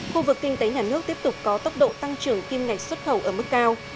khu vực kinh tế nhà nước tiếp tục có tốc độ tăng trưởng kim ngạch xuất khẩu ở mức cao